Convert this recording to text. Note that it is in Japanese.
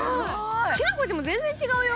きなこちゃんも全然違うよ。